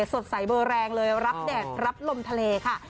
สดใสเบอร์แรงเลยรับแดดรับลมทะเลค่ะ